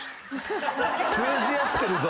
通じ合ってるぞ！